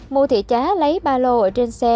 mua thị chá lấy ba lô ở trên xe